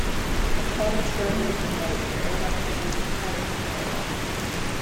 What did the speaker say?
Upon maturity of the note, the airline receives title to the aircraft.